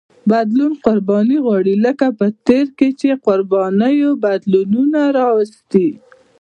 بدلون قرباني غواړي لکه په تېر کې چې قربانیو بدلونونه راوستي.